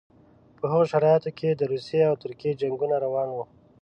په هغو شرایطو کې د روسیې او ترکیې جنګونه روان وو.